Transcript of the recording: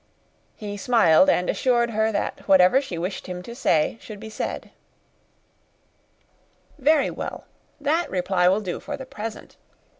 He smiled, and assured her that whatever she wished him to say should be said. "Very well; that reply will do for the present.